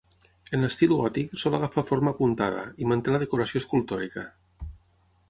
En l'estil gòtic sol agafar forma apuntada, i manté la decoració escultòrica.